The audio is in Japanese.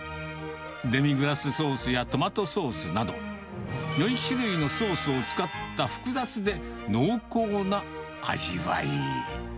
デミグラスソースやトマトソースなど、４種類のソースを使った複雑で濃厚な味わい。